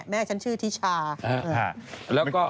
แม่ฉันชื่อทิชชาฮะแล้วก็